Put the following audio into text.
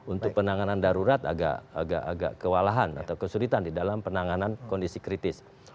untuk penanganan darurat agak kewalahan atau kesulitan di dalam penanganan kondisi kritis